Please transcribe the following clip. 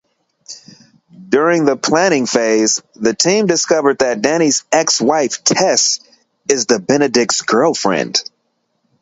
During this planning phase, the team discovers that Danny's ex-wife, Tess, is Benedict's girlfriend.